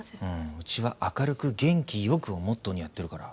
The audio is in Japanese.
うちは「明るく元気よく」をモットーにやってるから。